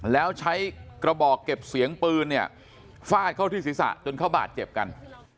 แล้วใช้กระบอกเก็บเสียงปืนเนี่ยฟาดเข้าที่ศีรษะจนเขาบาดเจ็บกัน